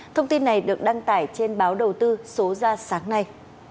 thông tin này được đăng tải trên báo đầu tư số ra sáng nay